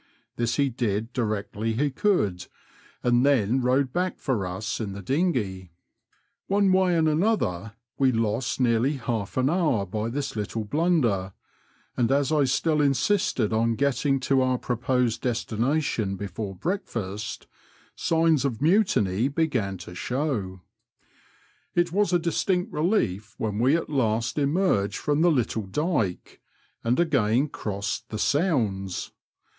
This he did directly he could, and then rowed back for us in the dinghey. One way and another, we Digitized by VjOOQIC PALLING TO mCKLING AND MABTHAM. 93 lost nearly half an hour by this little blunder, and as I still insisted on getting to our proposed destination before break fast, signs of mutiny began to show. It was a distinct relief when we at last emerged from the little dyke, and again crossed the Sounds."